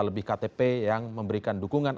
lebih ktp yang memberikan dukungan